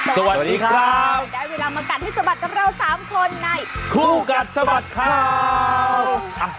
สวัสดีครับได้เวลามากัดให้สะบัดกับเราสามคนในคู่กัดสะบัดข่าว